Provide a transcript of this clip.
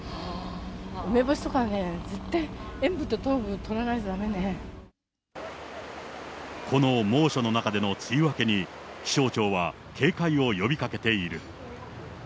梅干しとかね、絶対、塩分と糖分、この猛暑の中での梅雨明けに、気象庁は警戒を呼びかけている。